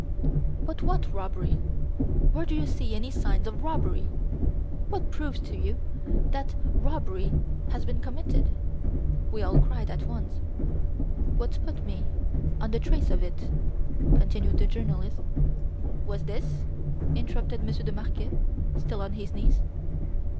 "But what robbery? Where do you see any signs of robbery? What proves to you that a robbery has been committed?" we all cried at once. "What put me on the trace of it," continued the journalist... "Was this?" interrupted Monsieur de Marquet, still on his knees.